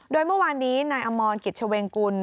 โดยเมื่อวานนี้นายอมรกิจเวงกุล